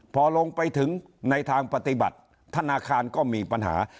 พอลงไปถึงในทางปฏิบัติธนาคารก็มีปัญหา